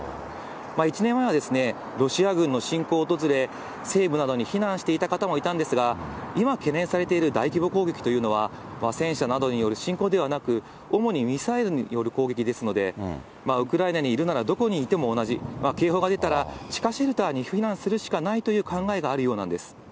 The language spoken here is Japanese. １年前は、ロシア軍の侵攻を恐れ、西部などに避難していた方もいたんですが、今、懸念されている大規模攻撃というのは、戦車などによる侵攻ではなく、主にミサイルによる攻撃ですので、ウクライナにいるならどこにいても同じ、警報が出たら、地下シェルターに避難するしかないという考えがあるようなんです。